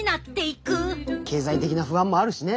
経済的な不安もあるしね。